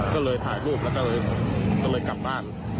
ก็เลยถ่ายรูปแล้วก็เลยกลับบ้าน